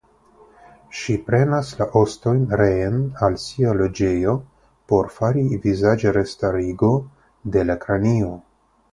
Ŝi prenas la ostojn reen al sia loĝejo por fari vizaĝrestarigo de la kranio.